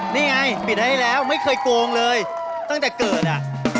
นี่ไงปิดให้แล้วไม่เคยโกงเลยตั้งแต่เกิดอ่ะ